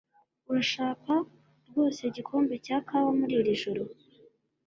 Urashaka rwose igikombe cya kawa muri iri joro?